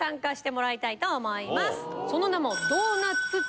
その名も。